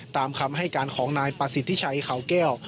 ตามคำให้การของนายประสิทธิชัยเขาแก้ว